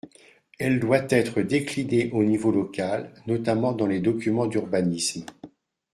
Elle doit être déclinée au niveau local, notamment dans les documents d’urbanisme.